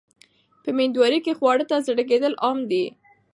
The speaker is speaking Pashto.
په مېندوارۍ کې خواړو ته زړه کېدل عام دي.